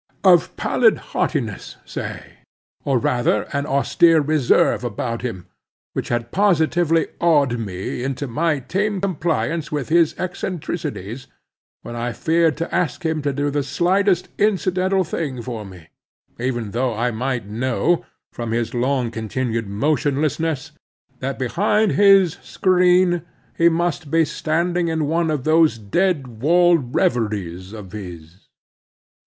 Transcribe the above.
—of pallid haughtiness, say, or rather an austere reserve about him, which had positively awed me into my tame compliance with his eccentricities, when I had feared to ask him to do the slightest incidental thing for me, even though I might know, from his long continued motionlessness, that behind his screen he must be standing in one of those dead wall reveries of his.